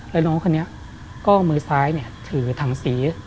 แล้วน้องคนนี้ก็มือซ้ายถือถังสี